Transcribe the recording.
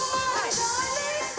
kau mucet kucing